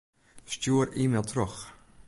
Stjoer e-mail troch.